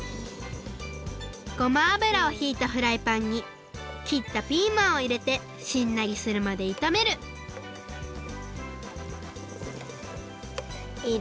ごまあぶらをひいたフライパンに切ったピーマンをいれてしんなりするまでいためるいれる。